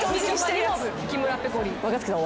若槻さん